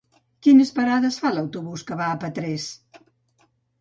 Quines parades fa l'autobús que va a Petrés?